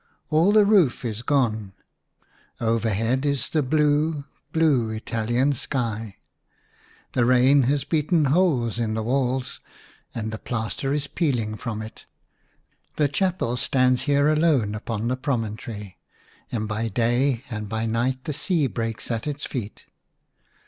All the roof is gone ; overhead is the blue, blue Italian sky ; the rain has beaten holes in the walls, and the plaster is peeling from it. The chapel stands here alone upon the pro montory, and by day and by night the sea breaks at its feet.